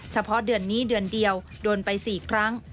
เฉพาะเดือนนี้เดือนเดียวโดนไป๔ครั้ง